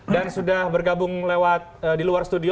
dan sudah bergabung di luar studio